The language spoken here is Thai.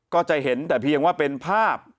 ก็จะเห็นแต่เพียงว่าเป็นภาพ